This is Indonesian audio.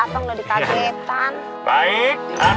belum datang udah ditakjutan